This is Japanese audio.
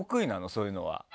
そういうのは。